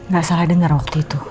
ga salah denger waktu itu